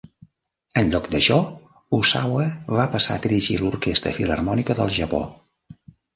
En lloc d'això, Ozawa va passar a dirigir l'orquestra filharmònica del Japó.